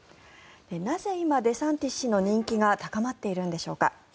なぜ今、デサンティス氏の人気が高まっているんでしょうか。